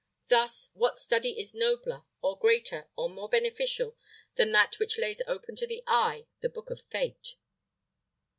Thus, what study is nobler, or greater, or more beneficial, than that which lays open to the eye the book of fate?"